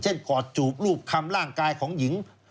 กอดจูบรูปคำร่างกายของหญิง